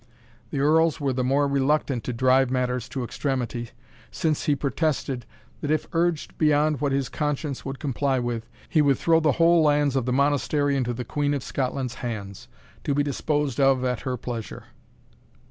The Earls were the more reluctant to drive matters to extremity, since he protested, that if urged beyond what his conscience would comply with, he would throw the whole lands of the Monastery into the Queen of Scotland's hands, to be disposed of at her pleasure.